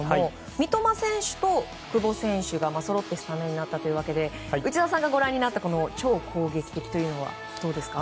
三笘選手と久保選手がそろってスタメンで内田さんがご覧になった超攻撃的というのはどうですか？